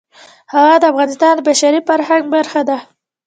هوا د افغانستان د بشري فرهنګ برخه ده.